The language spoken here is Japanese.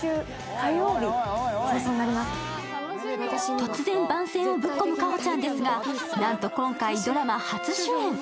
突然番宣をぶっ込む夏帆ちゃんですが、なんと今回、ドラマ初主演。